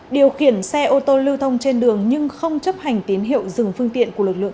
điều khiển xe ô tô lưu thông trên đường nhưng không chấp hành tín hiệu dừng phương tiện của lực lượng